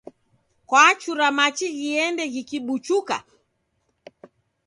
Kwachura machi ghiende ghikibuchuka?